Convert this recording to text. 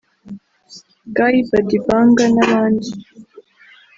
Guy Badibanga n’abandi